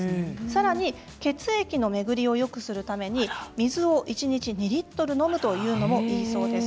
さらに血液の巡りをよくするために、水を一日２リットル飲むというのもいいそうです。